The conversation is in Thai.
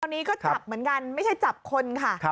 ตอนนี้ก็จับเหมือนกันไม่ใช่จับคนค่ะ